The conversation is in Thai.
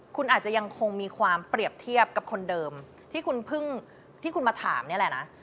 คุณอาจจะยังคงมีความเปรียบเทียบกับคนเดิมที่คุณเพิ่งที่คุณมาถามนี่แหละนะ